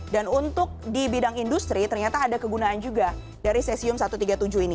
dan untuk di bidang industri ternyata ada kegunaan juga dari cesium satu ratus tiga puluh tujuh ini